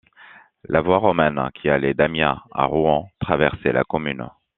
La voie romaine qui allait d'Amiens à Rouen traversait la commune.